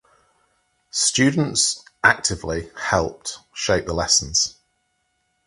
Students actively helped shape the lessons.